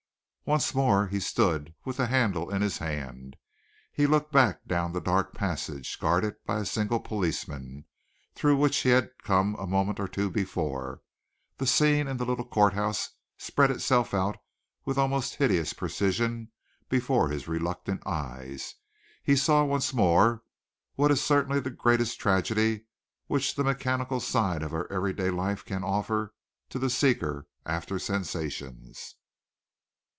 Once more, as he stood with the handle in his hand, he looked back down the dark passage, guarded by a single policeman, through which he had come a moment or two before. The scene in the little courthouse spread itself out with almost hideous precision before his reluctant eyes. He saw once more what is certainly the greatest tragedy which the mechanical side of our every day life can offer to the seeker after sensations.